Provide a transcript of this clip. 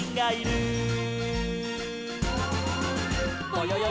「ぼよよ